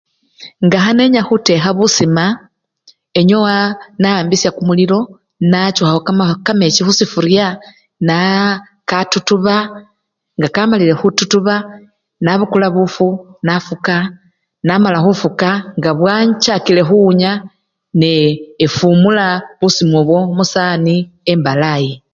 Nga khanenya khutekha busuma, enyowa nawambisyakho kumulilo nachukhakho kama! kamechi khusifurya naa! katutuba, nga kamalile khututuba nabukula bufu nafuka, namala khufuka nga bwanchakile khuwunya, nee enfumula busima obwo musowani embalayi.